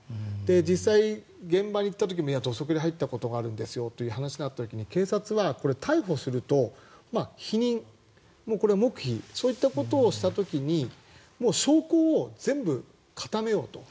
実際、現場に行った時に土足で入ったことがあるんですよという話だった時に、警察は逮捕すると、否認・黙秘そういったことをした時に証拠を全部、固めようと。